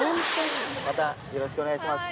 またよろしくお願いします。